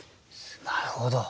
なるほど。